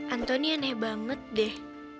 antoni aneh banget deh